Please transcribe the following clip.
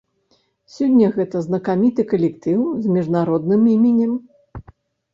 Сёння гэта знакаміты калектыў з міжнародным іменем.